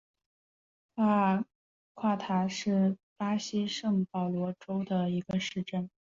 夸塔是巴西圣保罗州的一个市镇。